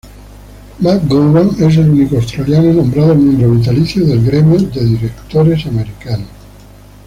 McGowan es el único australiano nombrado miembro vitalicio del Gremio de directores americanos.